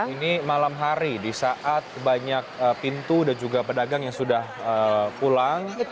ini malam hari di saat banyak pintu dan juga pedagang yang sudah pulang